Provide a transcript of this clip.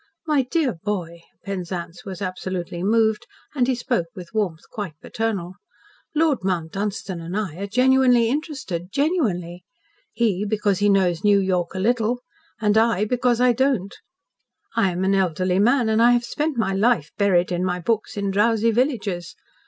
"My dear boy," Penzance was absolutely moved and he spoke with warmth quite paternal, "Lord Mount Dunstan and I are genuinely interested genuinely. He, because he knows New York a little, and I because I don't. I am an elderly man, and have spent my life buried in my books in drowsy villages.